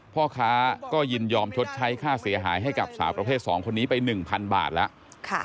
พ่อค้าก็ยินยอมชดใช้ค่าเสียหายให้กับสาวประเภท๒คนนี้ไป๑๐๐บาทแล้ว